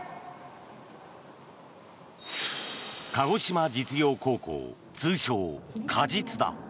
鹿児島実業高校通称・鹿実だ。